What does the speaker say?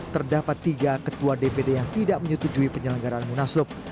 terdapat tiga ketua dpd yang tidak menyetujui penyelenggaraan munaslup